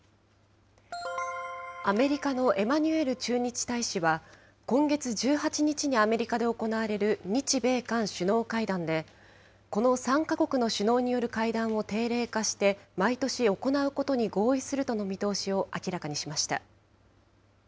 アメリカのエマニュエル駐日大使は、今月１８日にアメリカで行われる日米韓首脳会談で、この３か国の首脳による会談を定例化して、毎年行うことに合意するとの見通しを明らかにしました。